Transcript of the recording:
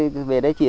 thì nhất là vốn khỏi